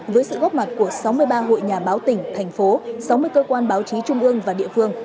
với sự góp mặt của sáu mươi ba hội nhà báo tỉnh thành phố sáu mươi cơ quan báo chí trung ương và địa phương